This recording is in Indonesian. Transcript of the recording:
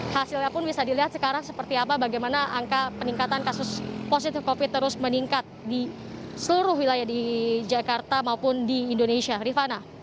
hasilnya pun bisa dilihat sekarang seperti apa bagaimana angka peningkatan kasus positif covid terus meningkat di seluruh wilayah di jakarta maupun di indonesia rifana